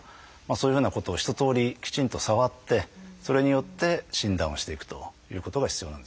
そういうふうなことを一とおりきちんと触ってそれによって診断をしていくということが必要なんですよね。